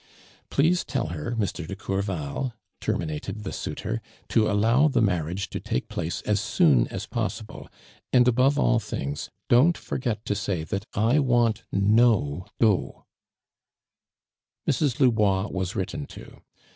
"Please tell her, Mr. de (Jourval," ter minated the suitor, " to allow the marriage to take place ns soon as possible, and above all things, don't forget to say that I want no dot." Mrs. Lubois was written to.